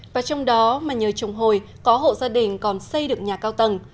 và trong đó mà nhờ trồng hồi có hộ gia đình còn xây được nhà cao tầng